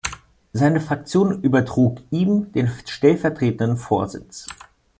Seine Fraktion übertrug ihm den stellvertretenden Vorsitz.